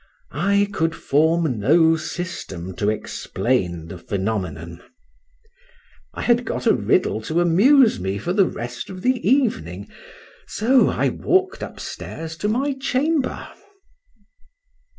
I could form no system to explain the phenomenon. I had got a riddle to amuse me for the rest of the evening; so I walk'd upstairs to my chamber.